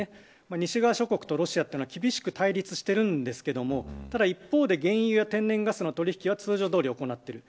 西側諸国とロシアというのは厳しく対立しているんですがただ一方で、原油や天然ガスの取引は通常どおり行っている。